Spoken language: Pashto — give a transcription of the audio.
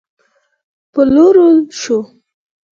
پلورل شو